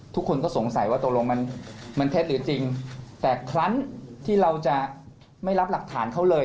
ทุกคนก็สงสัยว่าตกลงมันเท็จหรือจริงแต่ครั้งที่เราจะไม่รับหลักฐานเขาเลย